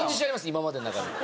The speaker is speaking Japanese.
今までの中で。